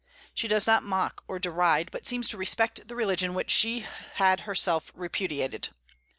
She does not mock or deride, but seems to respect the religion which she had herself repudiated.